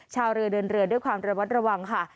ชาวเรือเดินเรือด้วยความระวัดระวังค่ะ